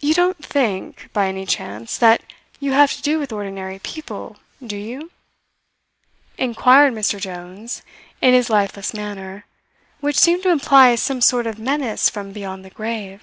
"You don't think, by any chance, that you have to do with ordinary people, do you?" inquired Mr. Jones, in his lifeless manner, which seemed to imply some sort of menace from beyond the grave.